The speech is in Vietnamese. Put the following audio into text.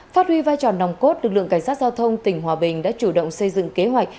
phát huy vai trò nòng cốt lực lượng cảnh sát giao thông tỉnh hòa bình đã chủ động xây dựng kế hoạch